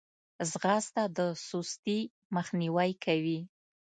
ځغاسته د سستي مخنیوی کوي